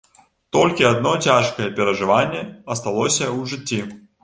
Толькі адно цяжкае перажыванне асталося ў жыцці.